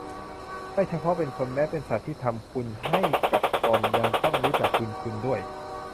ไม่เฉพาะเป็นคนแม้เป็นสัตว์ที่ทำคุณให้กับตนยังต้องรู้จักบุญคุณด้วย